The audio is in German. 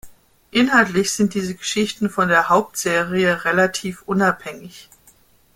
Inhaltlich sind diese Geschichten von der Hauptserie relativ unabhängig.